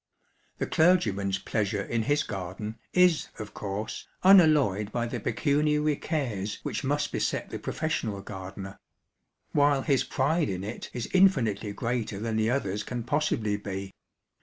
The clergyman's pleasure in his garden is, of course, unalloyed by the pecuniary cares which must beset the professional gardener ; while his pride in it is infinitely greater than the other's can possibly be.